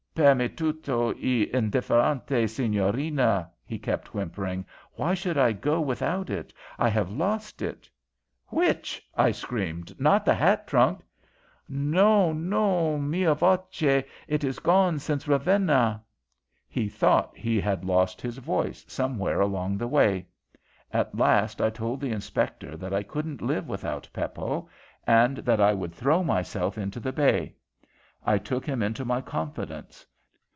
"'Per me tutto e indifferente, Signorina,' he kept whimpering. 'Why should I go without it? I have lost it.' "'Which?' I screamed. 'Not the hat trunk?' "'No, no; mia voce. It is gone since Ravenna.' "He thought he had lost his voice somewhere along the way. At last I told the inspector that I couldn't live without Peppo, and that I would throw myself into the bay. I took him into my confidence.